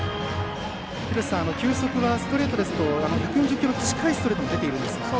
球速はストレートですと１４０キロ近いストレートも出ていますが。